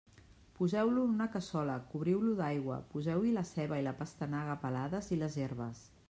Poseu-lo en una cassola, cobriu-lo d'aigua, poseu-hi la ceba i la pastanaga pelades i les herbes.